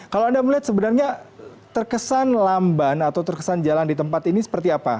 kalau anda melihat sebenarnya terkesan lamban atau terkesan jalan di tempat ini seperti apa